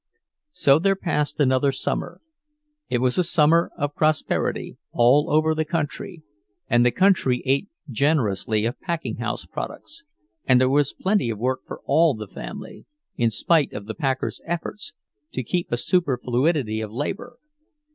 So there passed another summer. It was a summer of prosperity, all over the country, and the country ate generously of packing house products, and there was plenty of work for all the family, in spite of the packers' efforts to keep a superfluity of labor.